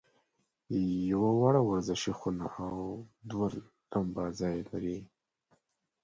یوه وړه ورزشي خونه او دوه لمباځي لري.